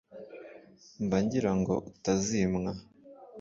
mba ngira ngo utazimwa